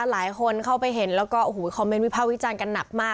หลายคนเข้าไปเห็นแล้วก็โอ้โหคอมเมนต์วิภาควิจารณ์กันหนักมาก